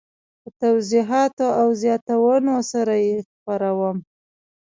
په توضیحاتو او زیاتونو سره یې خپروم.